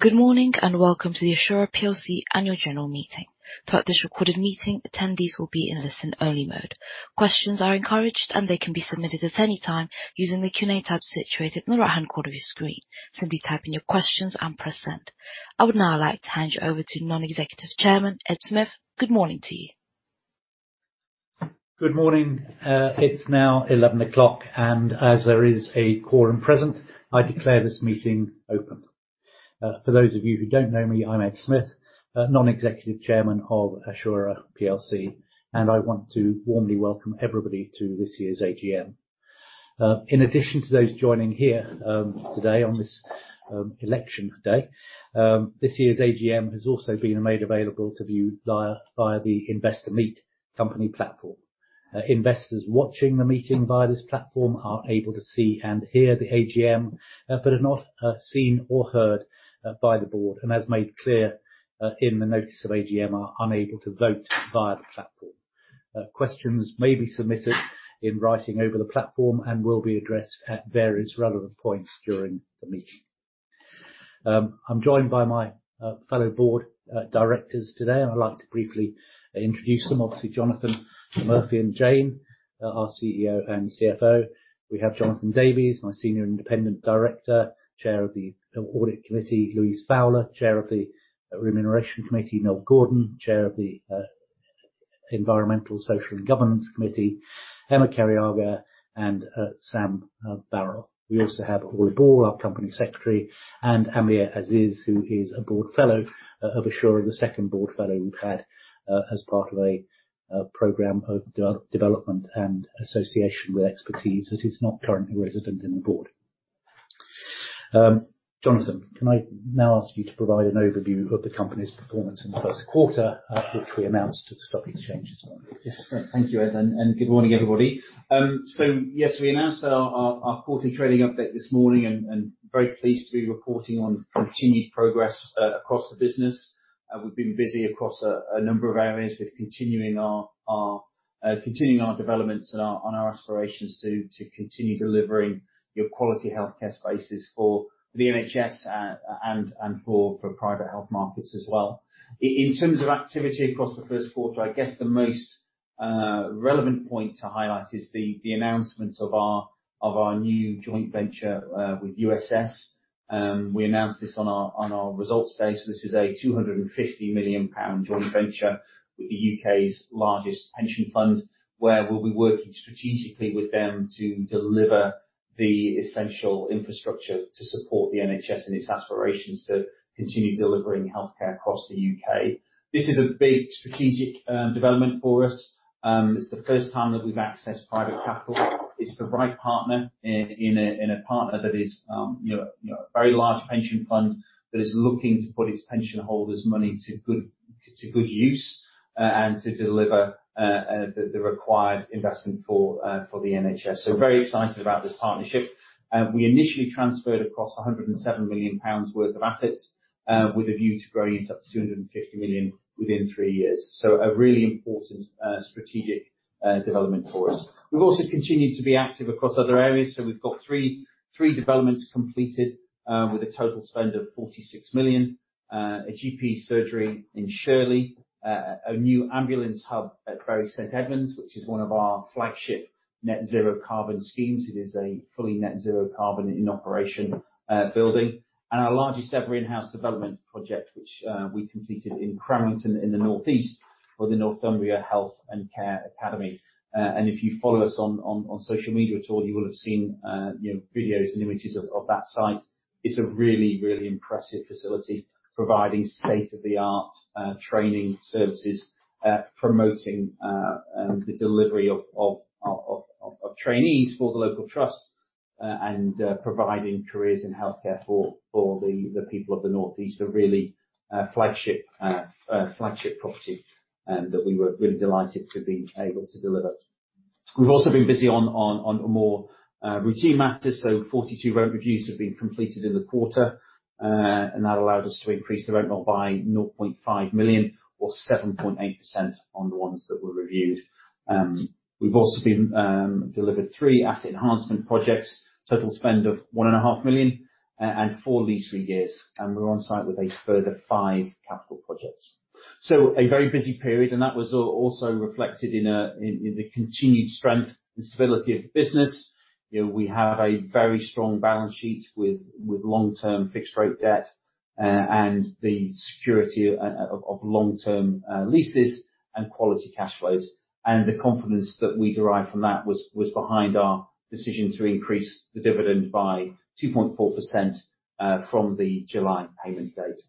Good morning, and welcome to the Assura plc annual general meeting. Throughout this recorded meeting, attendees will be in listen-only mode. Questions are encouraged, and they can be submitted at any time using the Q&A tab situated in the right-hand corner of your screen. Simply type in your questions and press send. I would now like to hand you over to Non-Executive Chairman, Ed Smith. Good morning to you. Good morning. It's now 11:00 AM o'clock, and as there is a quorum present, I declare this meeting open. For those of you who don't know me, I'm Ed Smith, Non-Executive Chairman of Assura plc, and I want to warmly welcome everybody to this year's AGM. In addition to those joining here, today on this, election day, this year's AGM has also been made available to view via the Investor Meet Company platform. Investors watching the meeting via this platform are able to see and hear the AGM, but are not seen or heard by the board, and as made clear in the notice of AGM, are unable to vote via the platform. Questions may be submitted in writing over the platform and will be addressed at various relevant points during the meeting. I'm joined by my fellow board directors today, and I'd like to briefly introduce them. Obviously, Jonathan Murphy and Jayne, our CEO and CFO. We have Jonathan Davies, my senior independent director, chair of the Audit Committee, Louise Fowler, chair of the Remuneration Committee, Noel Gordon, chair of the Environmental, Social, and Governance Committee, Emma Cariaga, and Sam Barrell. We also have Orla Ball, our company secretary, and Aamir Aziz, who is a board fellow of Assura, the second board fellow we've had, as part of a program of development and association with expertise that is not currently resident in the board. Jonathan, can I now ask you to provide an overview of the company's performance in the first quarter, which we announced to the stock exchanges? Yes. Thank you, Ed, and good morning, everybody. So yes, we announced our quarterly trading update this morning, and very pleased to be reporting on continued progress across the business. We've been busy across a number of areas with continuing our developments and our aspirations to continue delivering your quality healthcare spaces for the NHS, and for private health markets as well. In terms of activity across the first quarter, I guess the most relevant point to highlight is the announcement of our new joint venture with USS. We announced this on our results day. So this is a 250 million pound joint venture with the U.K.'s largest pension fund, where we'll be working strategically with them to deliver the essential infrastructure to support the NHS in its aspirations to continue delivering healthcare across the U.K. This is a big strategic development for us. It's the first time that we've accessed private capital. It's the right partner, in a partner that is, you know, a very large pension fund, that is looking to put its pension holders' money to good use, and to deliver the required investment for the NHS. So very excited about this partnership. We initially transferred across 107 million pounds worth of assets, with a view to growing it up to 250 million within three years. So a really important, strategic, development for us. We've also continued to be active across other areas, so we've got three developments completed, with a total spend of 46 million. A GP surgery in Shirley, a new ambulance hub at Bury St Edmunds, which is one of our flagship net zero carbon schemes. It is a fully net zero carbon in operation, building, and our largest ever in-house development project, which, we completed in Cramlington, in the Northeast, for the Northumbria Health and Care Academy. And if you follow us on social media at all, you will have seen, you know, videos and images of that site. It's a really, really impressive facility, providing state-of-the-art training services, promoting the delivery of trainees for the local trust, and providing careers in healthcare for the people of the Northeast. A really flagship property, and that we were really delighted to be able to deliver. We've also been busy on more routine matters, so 42 rent reviews have been completed in the quarter, and that allowed us to increase the rent by 0.5 million or 7.8% on the ones that were reviewed. We've also been delivered three asset enhancement projects, total spend of 1.5 million, and four lease regears, and we're on site with a further five capital projects. So a very busy period, and that was also reflected in the continued strength and stability of the business. You know, we have a very strong balance sheet with long-term fixed rate debt, and the security of long-term leases and quality cash flows. And the confidence that we derive from that was behind our decision to increase the dividend by 2.4%, from the July payment date.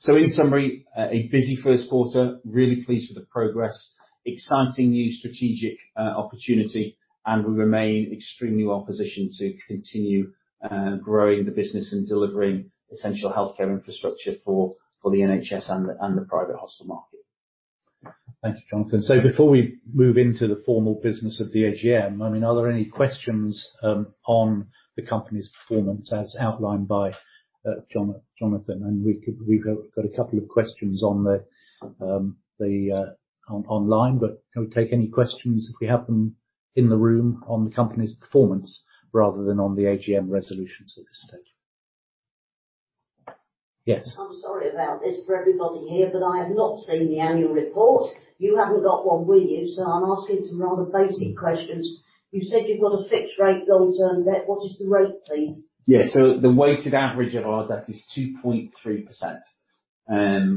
So in summary, a busy first quarter, really pleased with the progress, exciting new strategic opportunity, and we remain extremely well positioned to continue growing the business and delivering essential healthcare infrastructure for, for the NHS and the, and the private hospital market. Thank you, Jonathan. So before we move into the formal business of the AGM, I mean, are there any questions on the company's performance as outlined by Jonathan? And we could we've got a couple of questions on the online, but can we take any questions, if we have them, in the room on the company's performance, rather than on the AGM resolutions?... Yes. I'm sorry about this for everybody here, but I have not seen the annual report. You haven't got one with you, so I'm asking some rather basic questions. You said you've got a fixed rate long-term debt. What is the rate, please? Yes. So the weighted average of our debt is 2.3%,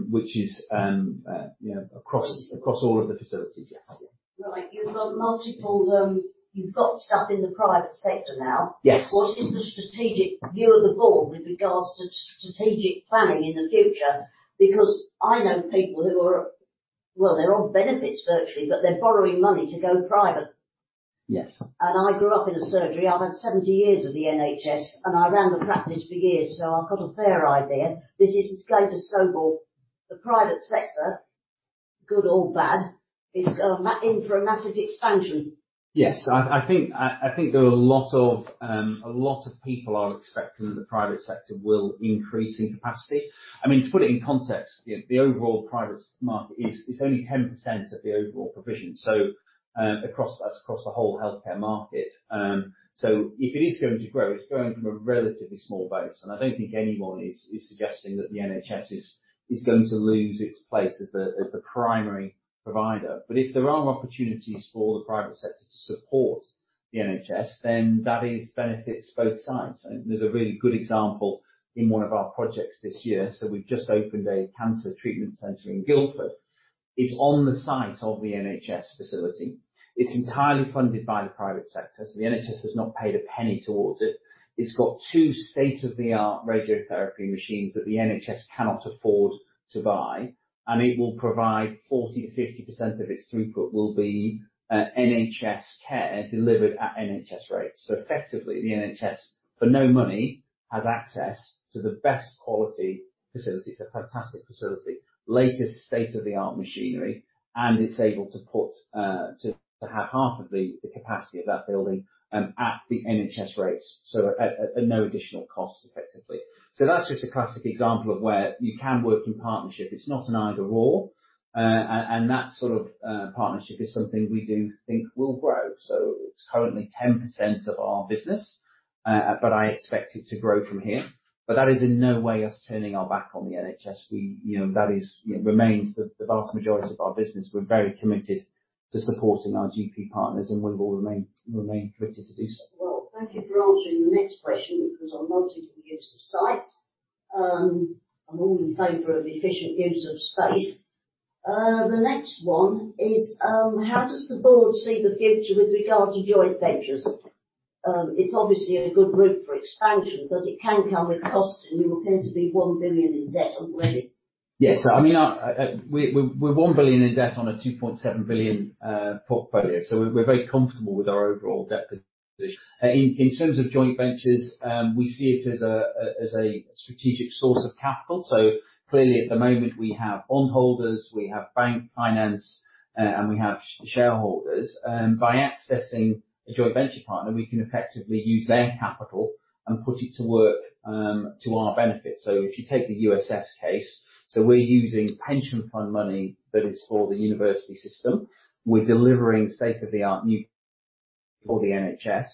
which is, you know, across all of the facilities. Yes. Right. You've got multiple, you've got stuff in the private sector now. Yes. What is the strategic view of the board with regards to strategic planning in the future? Because I know people who are—well, they're on benefits virtually, but they're borrowing money to go private. Yes. I grew up in a surgery. I've had 70 years of the NHS, and I ran the practice for years, so I've got a fair idea. This is going to snowball. The private sector, good or bad, is going in for a massive expansion. Yes. I think there are a lot of people expecting that the private sector will increase in capacity. I mean, to put it in context, the overall private market is only 10% of the overall provision, so across - that's across the whole healthcare market. So if it is going to grow, it's growing from a relatively small base, and I don't think anyone is suggesting that the NHS is going to lose its place as the primary provider. But if there are opportunities for the private sector to support the NHS, then that is benefits both sides. And there's a really good example in one of our projects this year. So we've just opened a cancer treatment center in Guildford. It's on the site of the NHS facility. It's entirely funded by the private sector, so the NHS has not paid a penny towards it. It's got two state-of-the-art radiotherapy machines that the NHS cannot afford to buy, and it will provide 40%-50% of its throughput will be NHS care delivered at NHS rates. So effectively, the NHS, for no money, has access to the best quality facility. It's a fantastic facility, latest state-of-the-art machinery, and it's able to have half of the capacity of that building at the NHS rates, so at no additional cost, effectively. So that's just a classic example of where you can work in partnership. It's not an either/or. And that sort of partnership is something we do think will grow. So it's currently 10% of our business, but I expect it to grow from here. But that is in no way us turning our back on the NHS. We, you know, that is... It remains the vast majority of our business. We're very committed to supporting our GP partners, and we will remain committed to do so. Well, thank you for answering the next question, which was on multiple use of sites. I'm all in favor of efficient use of space. The next one is: How does the board see the future with regard to joint ventures? It's obviously in a good group for expansion, but it can come with cost, and you appear to be 1 billion in debt already. Yes. So I mean, we're 1 billion in debt on a 2.7 billion portfolio, so we're very comfortable with our overall debt position. In terms of joint ventures, we see it as a strategic source of capital. So clearly, at the moment, we have bondholders, we have bank finance, and we have shareholders. By accessing a joint venture partner, we can effectively use their capital and put it to work to our benefit. So if you take the USS case, so we're using pension fund money that is for the university system. We're delivering state-of-the-art new for the NHS,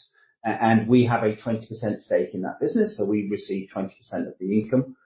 and we have a 20% stake in that business, so we receive 20% of the income.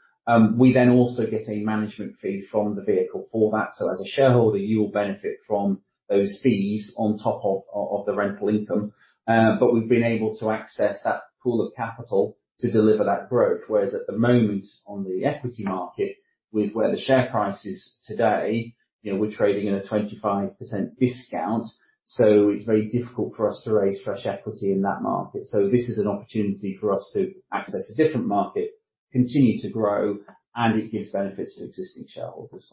We then also get a management fee from the vehicle for that. So as a shareholder, you will benefit from those fees on top of the rental income. But we've been able to access that pool of capital to deliver that growth. Whereas at the moment, on the equity market, with where the share price is today, you know, we're trading at a 25% discount, so it's very difficult for us to raise fresh equity in that market. So this is an opportunity for us to access a different market, continue to grow, and it gives benefits to existing shareholders.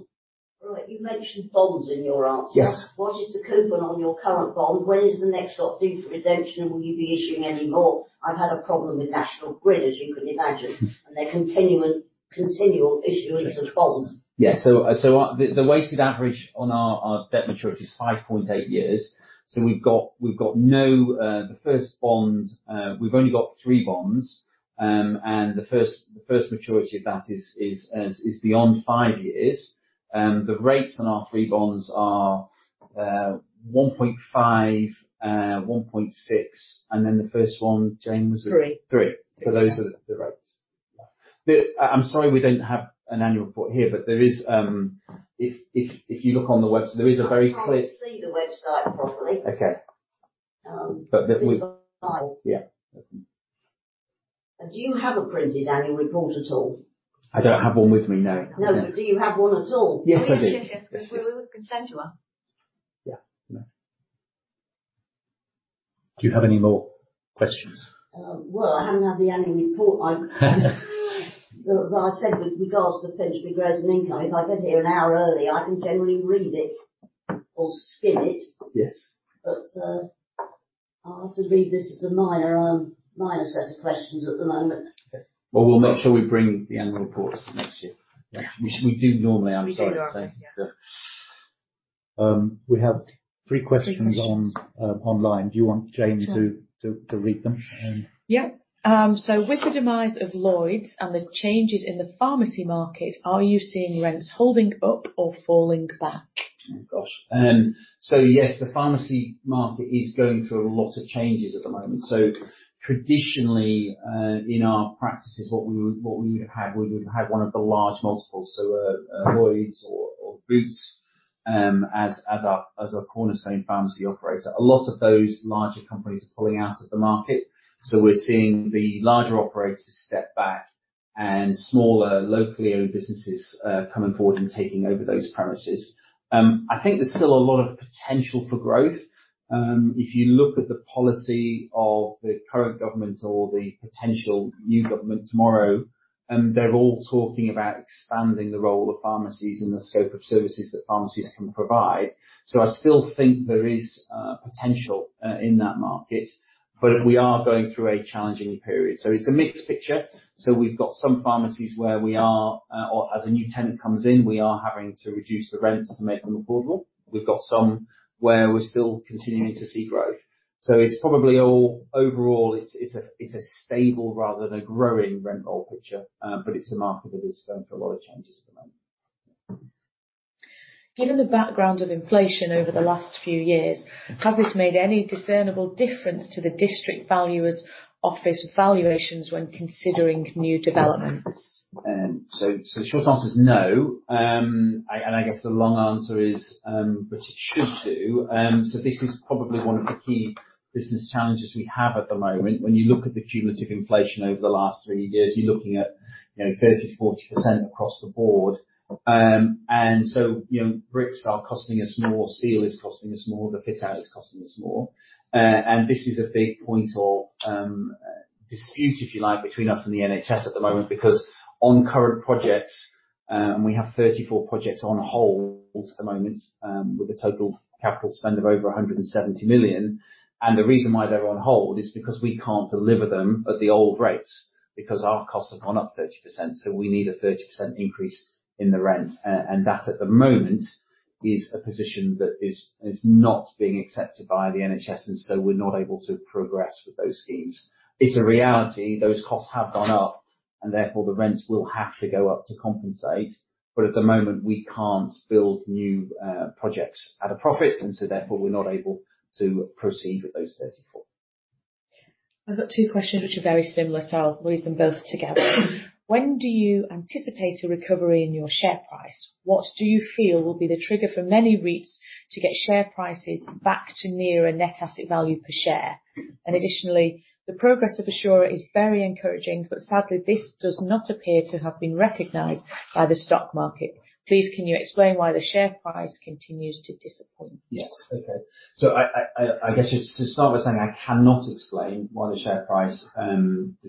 Right. You mentioned bonds in your answer. Yes. What is the coupon on your current bond? When is the next lot due for redemption, and will you be issuing any more? I've had a problem with National Grid, as you can imagine, and they're continuing continual issuing such bonds. Yeah. The weighted average on our debt maturity is 5.8 years. So we've got no, the first bond. We've only got three bonds, and the first maturity of that is beyond five years. The rates on our three bonds are 1.5, 1.6 and then the first one, Jayne, was- Three. Three. Okay. So those are the rates. The, I'm sorry, we don't have an annual report here, but there is, if you look on the website, there is a very clear- I can't see the website properly. Okay. Um- But the we- Yeah. And do you have a printed annual report at all? I don't have one with me, no. No, but do you have one at all? Yes, I do. Yes, yes, yes. We can send you one. Yeah. No. Do you have any more questions? Well, I haven't had the annual report. So as I said, with regards to pension, rentals, and income, if I get here an hour early, I can generally read it or skim it. Yes. But, I'll have to leave this as a minor, minor set of questions at the moment. Okay. Well, we'll make sure we bring the annual reports next year. Yeah. We do normally, I'm sorry. We do normally, yeah. We have three questions on- Three questions. Online. Do you want Jayne to read them? Yep. So with the demise of Lloyds and the changes in the pharmacy market, are you seeing rents holding up or falling back?... Oh, gosh! So yes, the pharmacy market is going through a lot of changes at the moment. So traditionally, in our practices, what we would have, we would have one of the large multiples, so a Lloyds or Boots, as our cornerstone pharmacy operator. A lot of those larger companies are pulling out of the market, so we're seeing the larger operators step back and smaller, locally owned businesses coming forward and taking over those premises. I think there's still a lot of potential for growth. If you look at the policy of the current government or the potential new government tomorrow, they're all talking about expanding the role of pharmacies and the scope of services that pharmacies can provide. So I still think there is potential in that market, but we are going through a challenging period, so it's a mixed picture. So we've got some pharmacies where we are, or as a new tenant comes in, we are having to reduce the rents to make them affordable. We've got some where we're still continuing to see growth, so it's probably overall, it's a stable rather than a growing rent roll picture, but it's a market that is going through a lot of changes at the moment. Given the background of inflation over the last few years, has this made any discernible difference to the District Valuer's Office valuations when considering new developments? So, so the short answer is no. And I guess the long answer is, but it should do. So this is probably one of the key business challenges we have at the moment. When you look at the cumulative inflation over the last three years, you're looking at, you know, 30%-40% across the board. And so, you know, bricks are costing us more, steel is costing us more, the fit out is costing us more. And this is a big point of dispute, if you like, between us and the NHS at the moment, because on current projects, and we have 34 projects on hold at the moment, with a total capital spend of over 170 million, and the reason why they're on hold is because we can't deliver them at the old rates because our costs have gone up 30%, so we need a 30% increase in the rent. And that, at the moment, is a position that is not being accepted by the NHS, and so we're not able to progress with those schemes. It's a reality. Those costs have gone up, and therefore the rents will have to go up to compensate. But at the moment, we can't build new projects at a profit, and so therefore, we're not able to proceed with those 34. I've got two questions which are very similar, so I'll read them both together. When do you anticipate a recovery in your share price? What do you feel will be the trigger for many REITs to get share prices back to nearer net asset value per share? And additionally, the progress of Assura is very encouraging, but sadly, this does not appear to have been recognized by the stock market. Please, can you explain why the share price continues to disappoint? Yes. Okay. So I guess just to start by saying, I cannot explain why the share price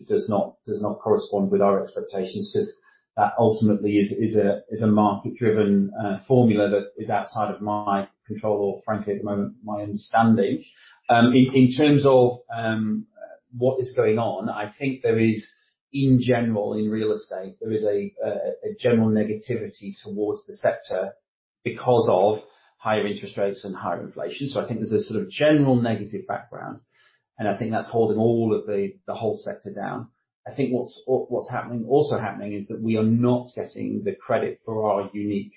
does not correspond with our expectations, because that ultimately is a market-driven formula that is outside of my control or frankly, at the moment, my understanding. In terms of what is going on, I think there is, in general, in real estate, there is a general negativity towards the sector because of higher interest rates and higher inflation. So I think there's a sort of general negative background, and I think that's holding all of the whole sector down. I think what's also happening is that we are not getting the credit for our unique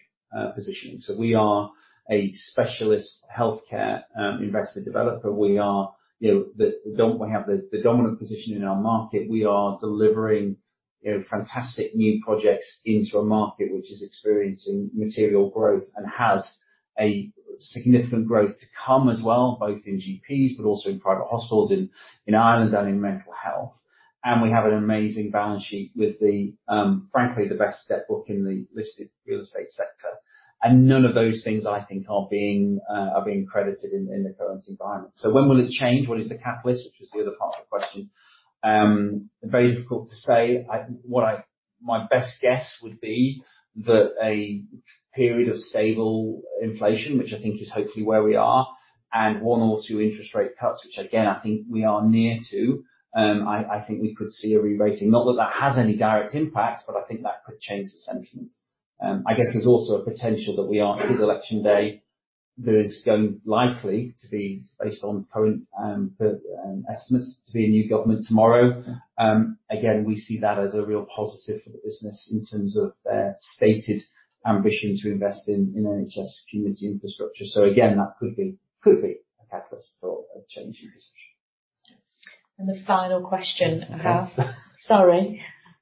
positioning. So we are a specialist healthcare investor developer. We are, you know, the dominant position in our market. We are delivering, you know, fantastic new projects into a market which is experiencing material growth and has a significant growth to come as well, both in GPs but also in private hospitals, in Ireland and in mental health. And we have an amazing balance sheet with, frankly, the best debt book in the listed real estate sector. And none of those things, I think, are being credited in the current environment. So when will it change? What is the catalyst? Which is the other part of the question. Very difficult to say. My best guess would be that a period of stable inflation, which I think is hopefully where we are, and one or two interest rate cuts, which again, I think we are near to, I think we could see a re-rating. Not that that has any direct impact, but I think that could change the sentiment. I guess there's also a potential that we are, this election day, there is going likely to be, based on current estimates, to be a new government tomorrow. Again, we see that as a real positive for the business in terms of their stated ambition to invest in NHS community infrastructure. So again, that could be a catalyst for a change in position. The final question I have. Sorry.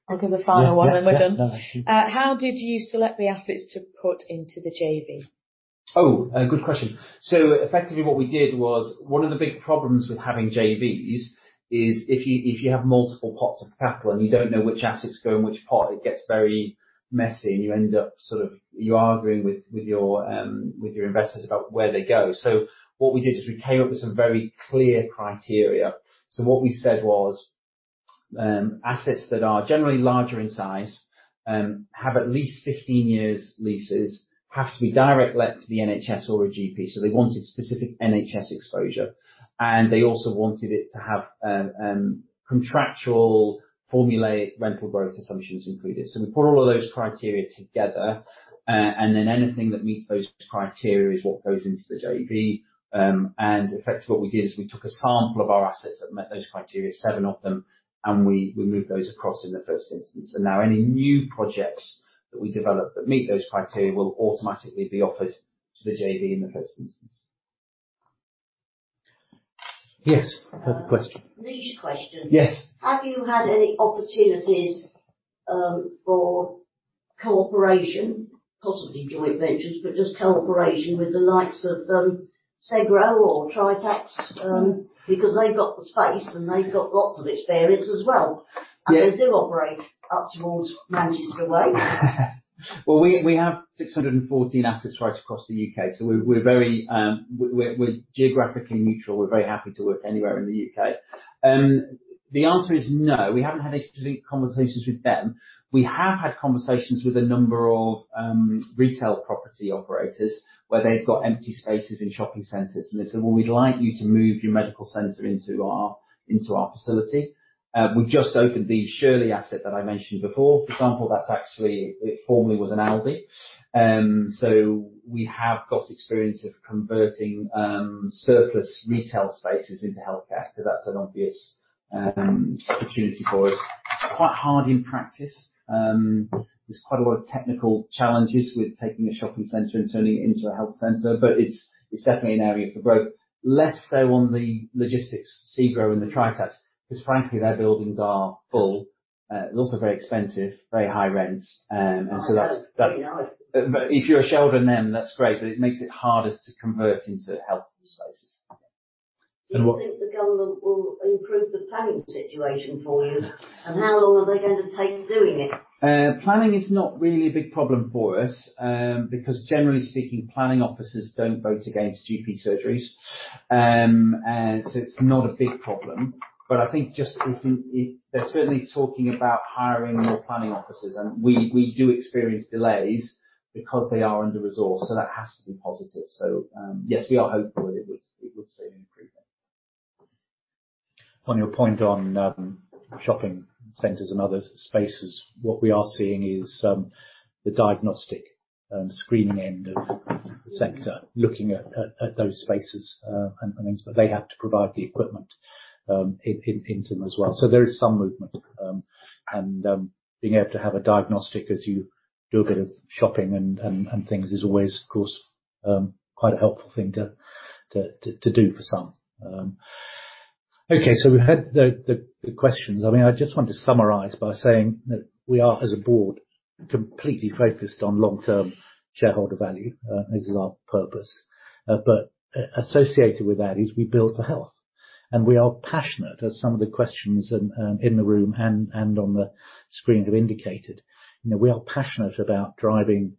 I'll do the final one, and we're done. Yeah, yeah. No, that's good. How did you select the assets to put into the JV? Oh, good question. So effectively, what we did was, one of the big problems with having JVs is if you have multiple pots of capital, and you don't know which assets go in which pot, it gets very messy, and you end up sort of... You're arguing with your investors about where they go. So what we did is we came up with some very clear criteria. So what we said was, assets that are generally larger in size, have at least 15 years leases, have to be direct let to the NHS or a GP. So they wanted specific NHS exposure, and they also wanted it to have contractual formulaic rental growth assumptions included. So we put all of those criteria together, and then anything that meets those criteria is what goes into the JV. Effectively, what we did is we took a sample of our assets that met those criteria, seven of them, and we moved those across in the first instance. Now any new projects that we develop that meet those criteria will automatically be offered to the JV in the first instance... Yes, have a question? Niche question. Yes. Have you had any opportunities, for cooperation, possibly joint ventures, but just cooperation with the likes of, SEGRO or Tritax? Because they've got the space, and they've got lots of experience as well. Yeah. They do operate up toward Manchester way. Well, we have 614 assets right across the U.K., so we're very geographically neutral. We're very happy to work anywhere in the U.K. The answer is no. We haven't had any conversations with them. We have had conversations with a number of retail property operators, where they've got empty spaces in shopping centers, and they said: "Well, we'd like you to move your medical center into our facility." We've just opened the Shirley asset that I mentioned before. For example, that's actually, it formerly was an Aldi. So we have got experience of converting surplus retail spaces into healthcare, because that's an obvious opportunity for us. It's quite hard in practice. There's quite a lot of technical challenges with taking a shopping center and turning it into a health center, but it's, it's definitely an area for growth. Less so on the logistics, SEGRO and the Tritax, because, frankly, their buildings are full, they're also very expensive, very high rents. And so that's- I know. Very nice. But if you're a shelf on them, that's great, but it makes it harder to convert into healthy spaces. And what- Do you think the government will improve the planning situation for you? And how long are they going to take doing it? Planning is not really a big problem for us, because generally speaking, planning officers don't vote against GP surgeries. And so it's not a big problem, but I think just if it—they're certainly talking about hiring more planning officers, and we do experience delays because they are under-resourced, so that has to be positive. So, yes, we are hopeful that it would see an improvement. On your point on shopping centers and other spaces, what we are seeing is the diagnostic and screening end of the sector, looking at those spaces, and they have to provide the equipment into them as well. So there is some movement. And being able to have a diagnostic as you do a bit of shopping and things is always, of course, quite a helpful thing to do for some. Okay, so we've had the questions. I mean, I just want to summarize by saying that we are, as a board, completely focused on long-term shareholder value. This is our purpose. But associated with that is we build for health, and we are passionate, as some of the questions in the room and on the screen have indicated. You know, we are passionate about driving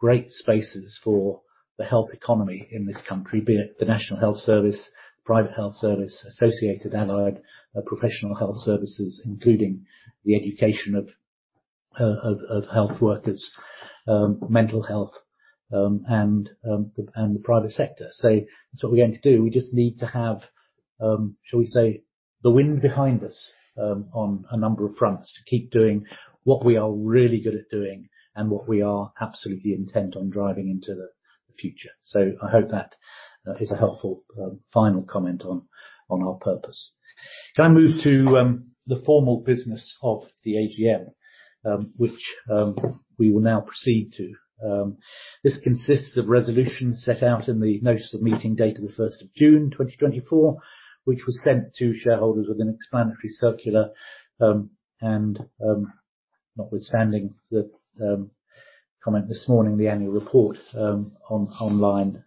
great spaces for the health economy in this country, be it the National Health Service, private health service, associated allied professional health services, including the education of health workers, mental health, and the private sector. So that's what we're going to do. We just need to have, shall we say, the wind behind us on a number of fronts, to keep doing what we are really good at doing and what we are absolutely intent on driving into the future. So I hope that is a helpful final comment on our purpose. Can I move to the formal business of the AGM, which we will now proceed to? This consists of resolutions set out in the Notice of Meeting, dated the first of June 2024, which was sent to shareholders with an explanatory circular. And, notwithstanding the comment this morning, the annual report online,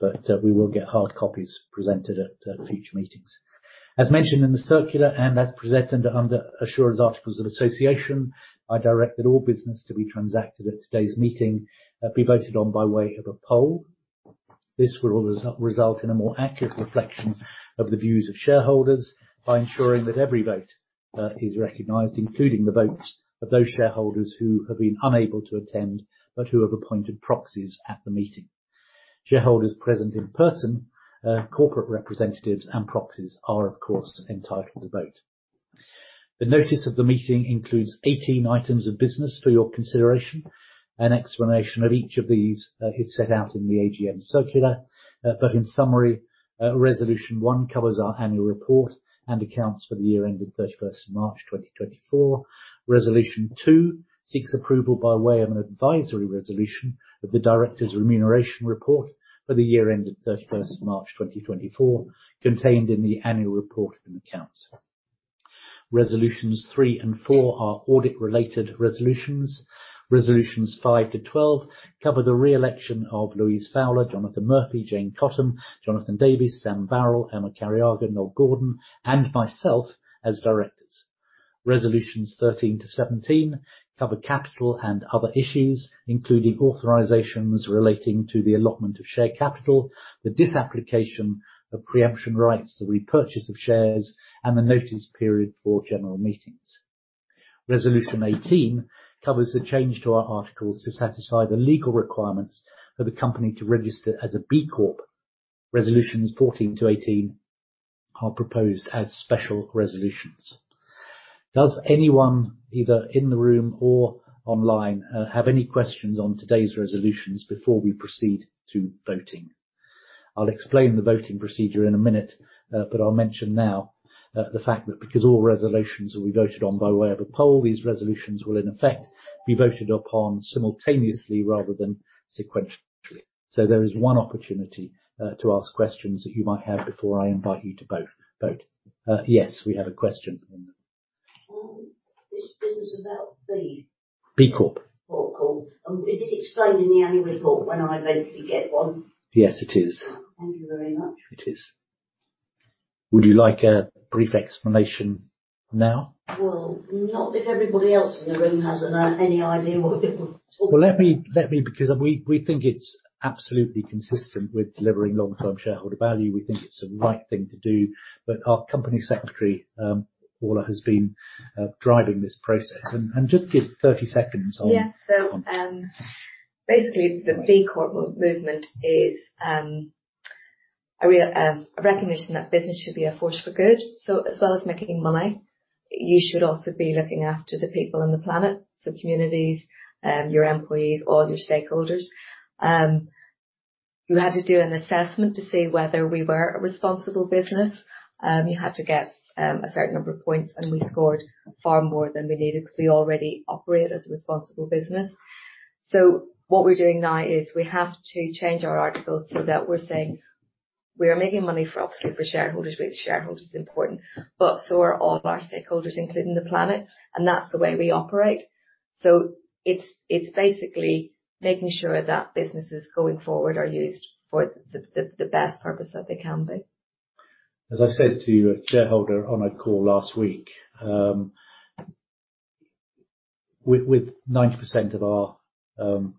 but we will get hard copies presented at future meetings. As mentioned in the circular and as presented under Assura's Articles of Association, I directed all business to be transacted at today's meeting, be voted on by way of a poll. This will result in a more accurate reflection of the views of shareholders, by ensuring that every vote is recognized, including the votes of those shareholders who have been unable to attend, but who have appointed proxies at the meeting. Shareholders present in person, corporate representatives and proxies are, of course, entitled to vote. The notice of the meeting includes 18 items of business for your consideration. An explanation of each of these is set out in the AGM circular. But in summary, Resolution 1 covers our annual report and accounts for the year ending 31st of March 2024. Resolution 2 seeks approval, by way of an advisory resolution, of the directors' remuneration report for the year ending 31st of March 2024, contained in the annual report and accounts. Resolutions 3 and 4 are audit-related resolutions. Resolutions 5 to 12 cover the re-election of Louise Fowler, Jonathan Murphy, Jayne Cottam, Jonathan Davies, Sam Barrell, Emma Cariaga, Noel Gordon, and myself as directors. Resolutions 13 to 17 cover capital and other issues, including authorizations relating to the allotment of share capital, the disapplication of preemption rights, the repurchase of shares, and the notice period for general meetings. Resolution 18 covers the change to our articles to satisfy the legal requirements for the company to register as a B Corp. Resolutions 14 to 18 are proposed as special resolutions. Does anyone, either in the room or online, have any questions on today's resolutions before we proceed to voting? I'll explain the voting procedure in a minute, but I'll mention now the fact that because all resolutions will be voted on by way of a poll, these resolutions will, in effect, be voted upon simultaneously rather than sequentially. So there is one opportunity to ask questions that you might have before I invite you to vote. Yes, we have a question in the-... This business about B? B Corp. B Corp. Is it explained in the annual report when I eventually get one? Yes, it is. Thank you very much. It is. Would you like a brief explanation now? Well, not if everybody else in the room hasn't any idea what we're talking Well, let me, because we think it's absolutely consistent with delivering long-term shareholder value. We think it's the right thing to do. But our Company Secretary, Orla, has been driving this process. And just give 30 seconds on- Yes. So, basically, the B Corp movement is a recognition that business should be a force for good. So as well as making money, you should also be looking after the people on the planet, so communities, your employees, all your stakeholders. You had to do an assessment to see whether we were a responsible business. You had to get a certain number of points, and we scored far more than we needed because we already operate as a responsible business. So what we're doing now is we have to change our articles so that we're saying, we are making money for, obviously, for shareholders, with shareholders is important, but so are all of our stakeholders, including the planet, and that's the way we operate. So it's basically making sure that businesses going forward are used for the best purpose that they can be. As I said to a shareholder on a call last week, with 90% of our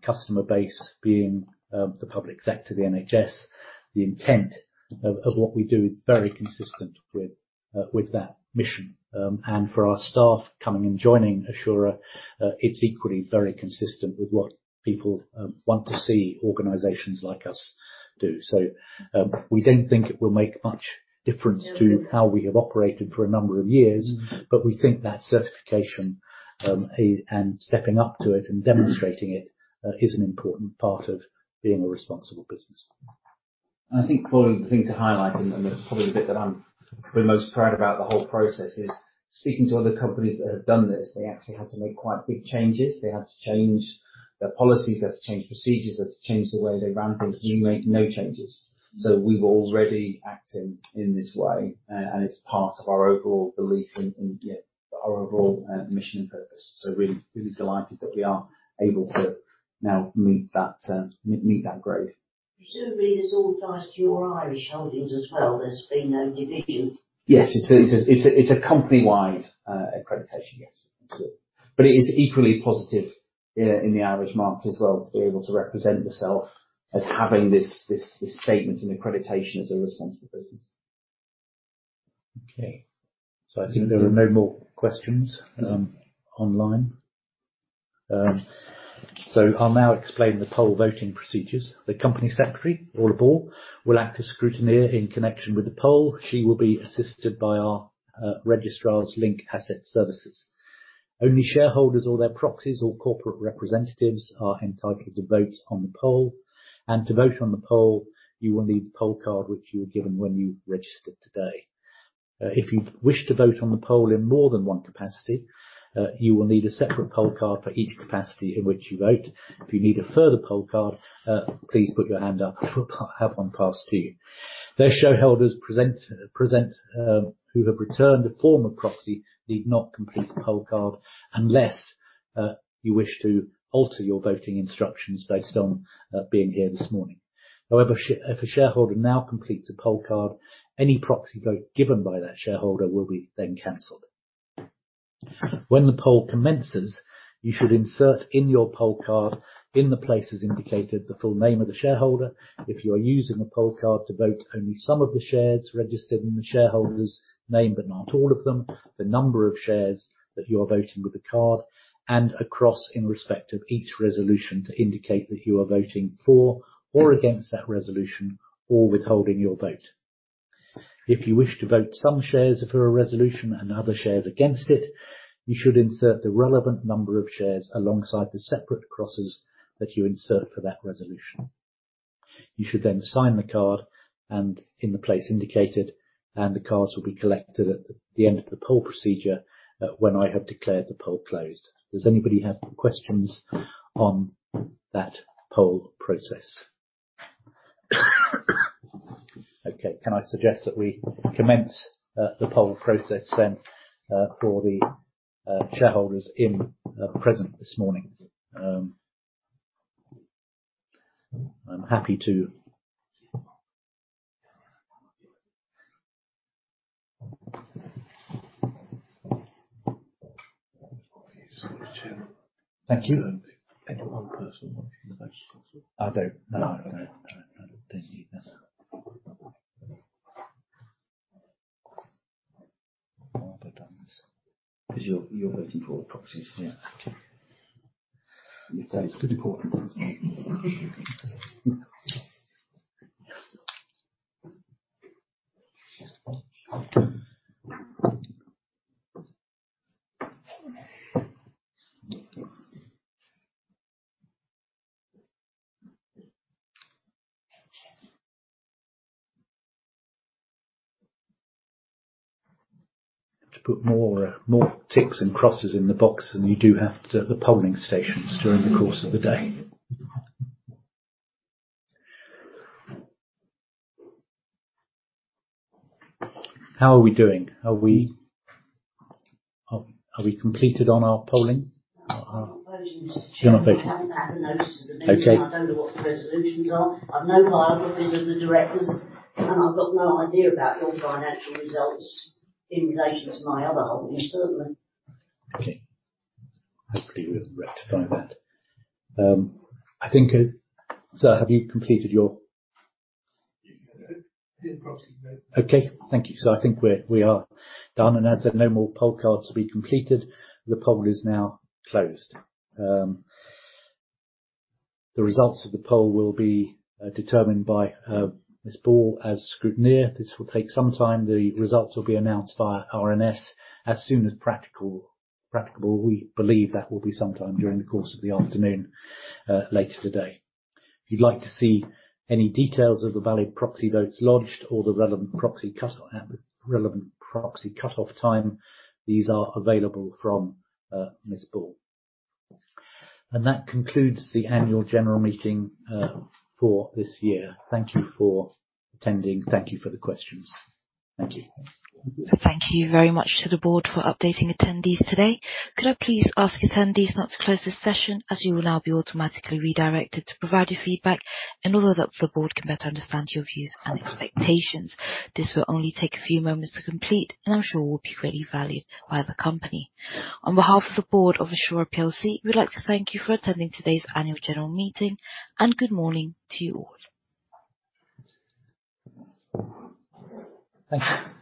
customer base being the public sector, the NHS, the intent of what we do is very consistent with that mission. And for our staff coming and joining Assura, it's equally very consistent with what people want to see organizations like us do. So, we don't think it will make much difference- No. -to how we have operated for a number of years, but we think that certification, and stepping up to it and demonstrating it, is an important part of being a responsible business. I think, Orla, the thing to highlight, and probably the bit that I'm probably most proud about the whole process is, speaking to other companies that have done this, they actually had to make quite big changes. They had to change their policies, they had to change procedures, they had to change the way they ran things. We made no changes. So we were already acting in this way, and it's part of our overall belief in yeah our overall mission and purpose. So really, really delighted that we are able to now meet that grade. Presumably, this all ties to your Irish holdings as well. There's been no division? Yes, it's a company-wide accreditation, yes. But it is equally positive in the Irish market as well, to be able to represent yourself as having this statement and accreditation as a responsible business. Okay. So I think there are no more questions online. So I'll now explain the poll voting procedures. The Company Secretary, Orla Ball, will act as scrutineer in connection with the poll. She will be assisted by our registrars Link Asset Services. Only shareholders or their proxies or corporate representatives are entitled to vote on the poll. And to vote on the poll, you will need the poll card, which you were given when you registered today. If you wish to vote on the poll in more than one capacity, you will need a separate poll card for each capacity in which you vote. If you need a further poll card, please put your hand up. We'll have one passed to you. Those shareholders present who have returned a form of proxy need not complete the poll card, unless you wish to alter your voting instructions based on being here this morning. However, if a shareholder now completes a poll card, any proxy vote given by that shareholder will be then canceled. When the poll commences, you should insert in your poll card, in the places indicated, the full name of the shareholder. If you are using the poll card to vote only some of the shares registered in the shareholder's name, but not all of them, the number of shares that you are voting with the card, and a cross in respect of each resolution to indicate that you are voting for or against that resolution, or withholding your vote. If you wish to vote some shares for a resolution and other shares against it, you should insert the relevant number of shares alongside the separate crosses that you insert for that resolution. You should then sign the card, and in the place indicated, and the cards will be collected at the end of the poll procedure, when I have declared the poll closed. Does anybody have questions on that poll process? Okay, can I suggest that we commence the poll process then, for the shareholders present this morning? I'm happy to... Please, Chair. Thank you. One person from the vote as well. I don't. No, no, no, I don't need that. Well, I've done this. 'Cause you're voting for the proxies. Yeah. It's pretty important to put more, more ticks and crosses in the box than you do have to the polling stations during the course of the day. How are we doing? Are we completed on our polling? I haven't had the notice of the meeting. Okay. I don't know what the resolutions are. I've no biographies of the directors, and I've got no idea about your financial results in relation to my other holdings, certainly. Okay. Hopefully, we'll rectify that. I think, Sir, have you completed your- Yes, I did. Did the proxy vote. Okay. Thank you, sir. I think we are done, and as there are no more poll cards to be completed, the poll is now closed. The results of the poll will be determined by Ms. Ball as scrutineer. This will take some time. The results will be announced via RNS as soon as practical. We believe that will be sometime during the course of the afternoon, later today. If you'd like to see any details of the valid proxy votes lodged or the relevant proxy cut-off time, these are available from Ms. Ball. That concludes the annual general meeting for this year. Thank you for attending. Thank you for the questions. Thank you. Thank you very much to the board for updating attendees today. Could I please ask attendees not to close this session, as you will now be automatically redirected to provide your feedback, and although that the board can better understand your views and expectations. This will only take a few moments to complete, and I'm sure will be greatly valued by the company. On behalf of the Board of Assura plc, we'd like to thank you for attending today's annual general meeting, and good morning to you all. Thank you.